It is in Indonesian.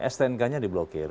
stnk nya di blokir